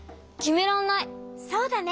そうだね。